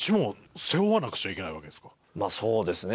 まあそうですね。